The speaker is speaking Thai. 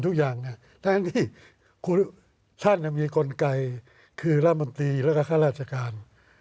ท่านกิจที่ท่านมีกลไกบ์คือละบองตรีก็ค่าราชการ